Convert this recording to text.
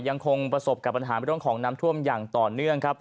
ยังคงประสบกับปัญหาเรื่องของน้ำท่วมอย่างต่อเนื่องครับ